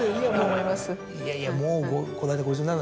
いやいやもうこの間。